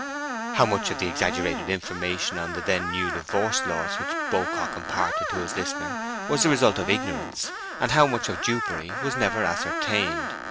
How much of the exaggerated information on the then new divorce laws which Beaucock imparted to his listener was the result of ignorance, and how much of dupery, was never ascertained.